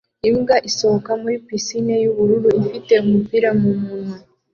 Imbwa isohoka muri pisine yubururu ifite umupira mumunwa